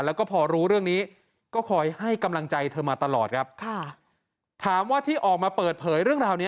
แล้วก็พอรู้เรื่องนี้ก็คอยให้กำลังใจเธอมาตลอดครับค่ะถามว่าที่ออกมาเปิดเผยเรื่องราวนี้